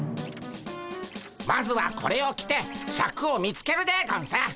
まずはこれを着てシャクを見つけるでゴンス。